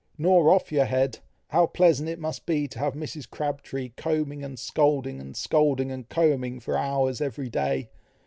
"Nor off your head! How pleasant it must be to have Mrs. Crabtree combing and scolding, and scolding and combing, for hours every day!